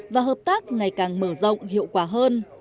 và hợp tác ngày càng mở rộng hiệu quả hơn